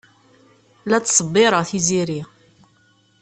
La ttṣebbireɣ Tiziri.